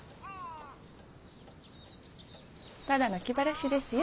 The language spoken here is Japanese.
ただの気晴らしですよ。